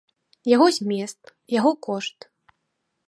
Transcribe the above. Яго змест, яго кошт.